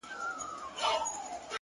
که ستا د غم حرارت ماته رسېدلی نه وای’